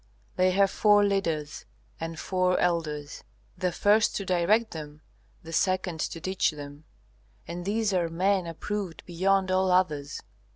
They have four leaders, and four elders, the first to direct them, the second to teach them, and these are men approved beyond all others.